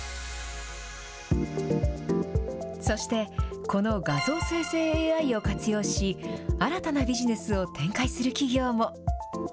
そして、この画像生成ＡＩを活用し、新たなビジネスを展開する企業も。